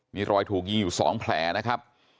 มีรอยถูกยิงอยู่๒แผลนะครับ